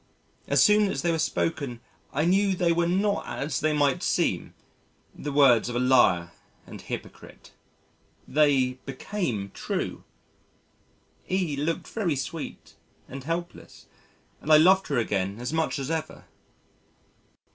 As soon as they were spoken I knew they were not as they might seem, the words of a liar and hypocrite. They became true. E looked very sweet and helpless and I loved her again as much as ever.